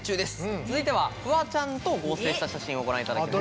続いてはフワちゃんと合成した写真をご覧いただきます。